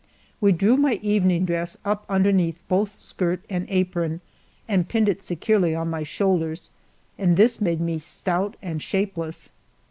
We drew my evening dress up underneath both skirt and apron and pinned it securely on my shoulders, and this made me stout and shapeless.